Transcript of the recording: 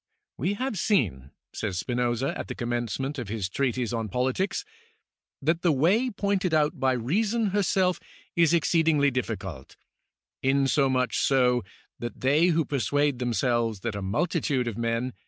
" We have seen," says Spinoza, at the commencement of his Treatise on Politics,^ " that the way pointed out by Reason herself is exceeding difficult, insomuch so that they who persuade themselves that a multitude of men